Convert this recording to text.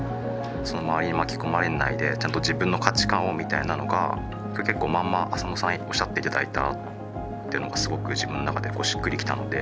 周りに巻き込まれないでちゃんと自分の価値観をみたいなのが結構まんまあさのさんおっしゃって頂いたというのがすごく自分の中でしっくりきたので。